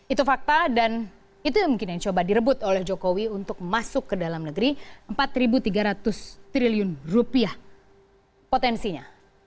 itu fakta dan itu mungkin yang coba direbut oleh jokowi untuk masuk ke dalam negeri empat tiga ratus triliun rupiah potensinya